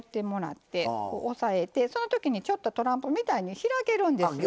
押さえてその時にちょっとトランプみたいに開けるんですよ。